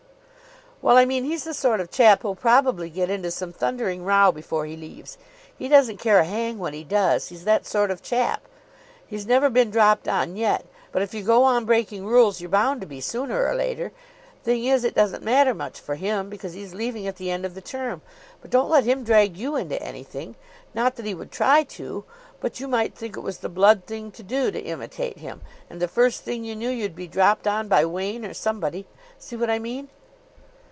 "Well, I mean, he's the sort of chap who'll probably get into some thundering row before he leaves. He doesn't care a hang what he does. He's that sort of chap. He's never been dropped on yet, but if you go on breaking rules you're bound to be sooner or later. Thing is, it doesn't matter much for him, because he's leaving at the end of the term. But don't let him drag you into anything. Not that he would try to. But you might think it was the blood thing to do to imitate him, and the first thing you knew you'd be dropped on by Wain or somebody. See what I mean?"